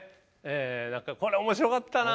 これ面白かったな。